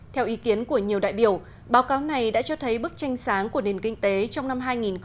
theo ý kiến của nhiều đại biểu báo cáo này đã cho thấy bức tranh sáng của nền kinh tế trong năm hai nghìn một mươi chín